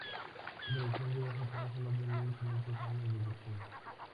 Esta tradición llegó a Japón hace más de mil quinientos años desde China.